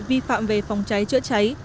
vi phạm về phòng cháy chữa cháy